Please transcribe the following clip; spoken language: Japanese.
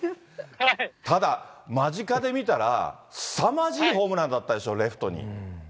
ただ、間近で見たら、すさまじいホームランだったでしょう、レフトに。